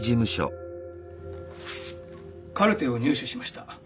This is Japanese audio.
カルテを入手しました。